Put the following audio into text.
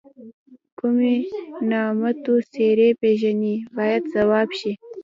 کومې نامتو څېرې پیژنئ باید ځواب شي.